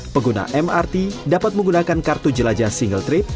pengguna mrt dapat menggunakan kartu jelajah single trip